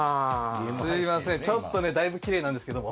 すいませんちょっとねだいぶきれいなんですけども。